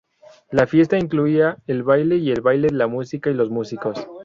La fiesta incluía el baile, y el baile la música y los músicos.